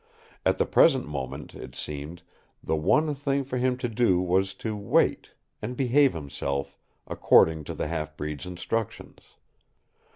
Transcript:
At the present moment, it seemed, the one thing for him to do was to wait and behave himself, according to the half breed's instructions.